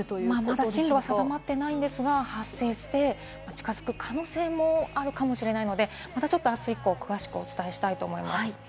まだ進路は定まっていないんですが、発生して近づく可能性もあるので、あす以降詳しくお伝えしたいと思います。